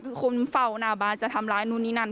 คือคนเฝ้าหน้าบ้านจะทำร้ายนู่นนี่นั่น